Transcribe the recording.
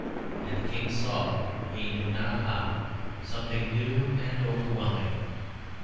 And the King saw, he knew not how, something new and overwhelming.